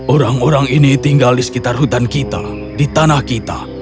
orang orang ini tinggal di sekitar hutan kita di tanah kita